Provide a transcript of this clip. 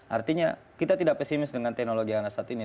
artinya kita tidak pesimis dengan teknologi yang ada saat ini